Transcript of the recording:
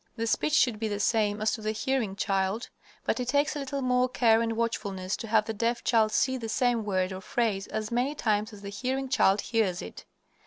The speech should be the same as to the hearing child, but it takes a little more care and watchfulness to have the deaf child see the same word or phrase as many times as the hearing child hears it.